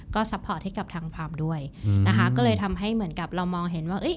ก็ซัพพอร์ตให้กับทางความด้วยนะคะก็เลยทำให้เหมือนกับเรามองเห็นว่าเอ้ย